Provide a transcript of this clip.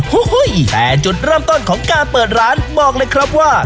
โอ้โหแต่จุดเริ่มต้นของการเปิดร้านบอกเลยครับว่า